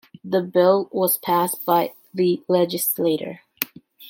The bill was passed by the legislature.